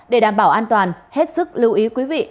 để đảm bảo an toàn hết sức lưu ý quý vị